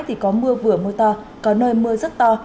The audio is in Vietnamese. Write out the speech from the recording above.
thì có mưa vừa mưa to có nơi mưa rất to